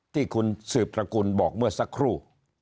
ที่คุณสืบตระกุลบอกเมื่อสักครู่